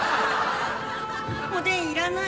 おでんいらない。